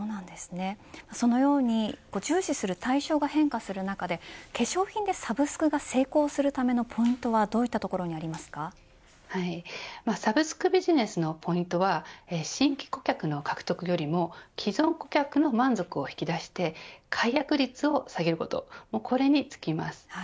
そのように重視する対象が変化する中で、化粧品でサブスクが成功するためのポイントはどういったところにサブスクビジネスのポイントは新規顧客の獲得よりも既存顧客の満足を引き出して解約率を下げることこれに尽きます。